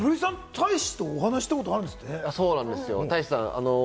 古井さん、大使とお話したことあるんですってね？